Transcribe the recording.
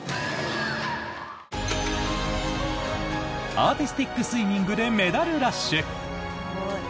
アーティスティックスイミングでメダルラッシュ！